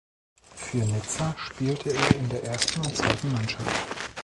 Für Nizza spielte er in der ersten und zweiten Mannschaft.